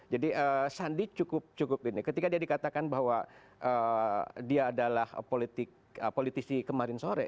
jadi sandi cukup cukup ini ketika dia dikatakan bahwa dia adalah politik politisi kemarin sore